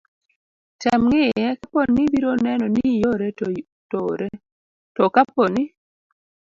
tem ng'iye kapo ni ibiro neno ni iore, to ore. to kapo ni